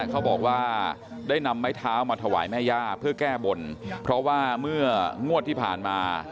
เขาบอกว่าได้นำไม้เท้ามาถวายแม่ย่าเพื่อแก้บนเพราะว่าเมื่องวดที่ผ่านมา